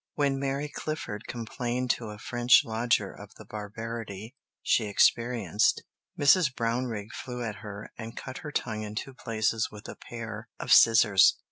When Mary Clifford complained to a French lodger of the barbarity she experienced, Mrs. Brownrigg flew at her and cut her tongue in two places with a pair of scissors.